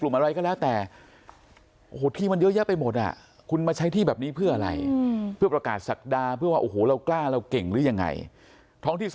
วงจรปิดอยู่นะฮะเพื่อจะจับกุมกำ้วมดำเนินคดี